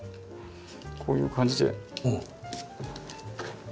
こういう感じで。